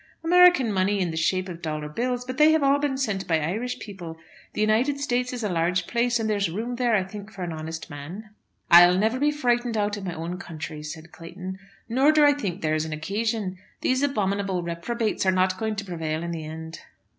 "American money in the shape of dollar bills; but they have all been sent by Irish people. The United States is a large place, and there is room there, I think, for an honest man." "I'll never be frightened out of my own country," said Clayton. "Nor do I think there is occasion. These abominable reprobates are not going to prevail in the end."